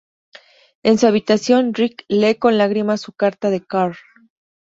En su habitación, Rick lee con lágrimas su carta de Carl.